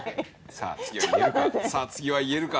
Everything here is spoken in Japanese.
さぁ次は言えるか？